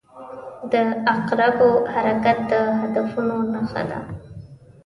• د عقربو حرکت د هدفونو نښه ده.